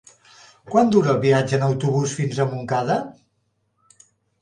Quant dura el viatge en autobús fins a Montcada?